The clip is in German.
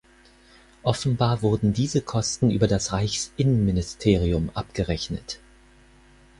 Offenbar wurden diese Kosten über das Reichsinnenministerium abgerechnet.